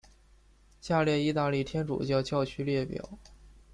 下列意大利天主教教区列表。